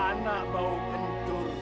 aku akan membunuhmu